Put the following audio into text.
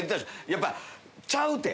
やっぱちゃうて！